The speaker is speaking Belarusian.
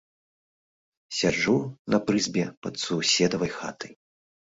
Сяджу на прызбе пад суседавай хатай.